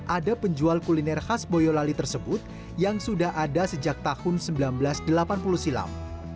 ada penjual kuliner khas boyolali tersebut yang sudah ada sejak tahun seribu sembilan ratus delapan puluh silam